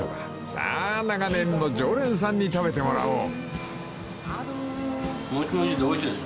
［さあ長年の常連さんに食べてもらおう］